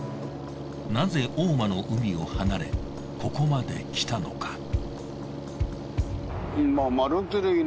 なぜ大間の海を離れここまで来たのか。